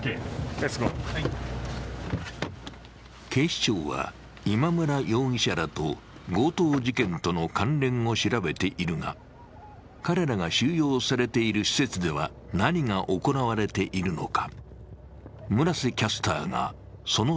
警視庁は、今村容疑者らと強盗事件との関連を調べているが、彼らが収容されている施設では何が行われているのか。